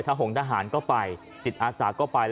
ทหงทหารก็ไปจิตอาศาสตร์ก็ไป